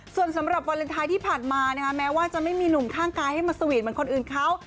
ส่วนสำหรับวาเลนไทยที่ผ่านมานะคะแม้ว่าจะไม่มีหนุ่มข้างกายให้มาสวีทเหมือนคนอื่นเขา